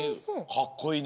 かっこいいね。